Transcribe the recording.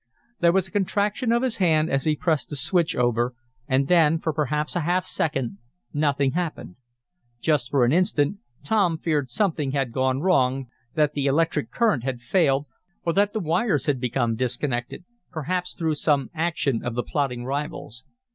There was a contraction of his hand as he pressed the switch over, and then, for perhaps a half second, nothing happened. Just for an instant Tom feared something had gone wrong that the electric current had failed, or that the wires had become disconnected perhaps through some action of the plotting rivals.